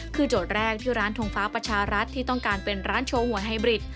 คือโจทย์แรกที่ร้านทงฟ้าประชารัฐที่ต้องการเป็นร้านโชว์หวยไฮบริด